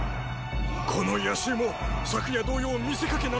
この夜襲も昨夜同様見せかけなのか⁉